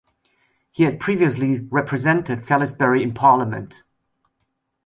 He had previously represented Salisbury in Parliament.